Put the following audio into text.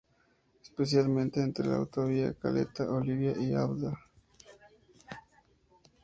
Específicamente entre la Autovía Caleta Olivia y la Avda.